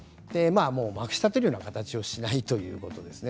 まくしたてるような形をしないということですね。